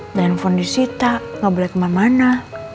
dengan handphone di sita gak boleh kemana mana